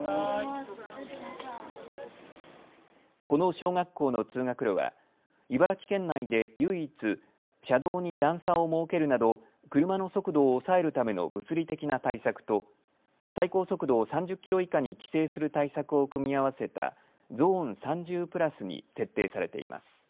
この小学校の通学路は茨城県内で唯一、車道に段差を設けるなど車の速度を抑えるための物理的な対策と最高速度を３０キロ以下に規制する対策を組み合わせたゾーン３０プラスに設定されています。